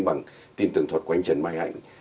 bằng tin tường thuật của anh trần mai hạnh